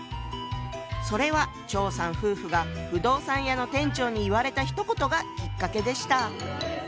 それは張さん夫婦が不動産屋の店長に言われたひと言がきっかけでした。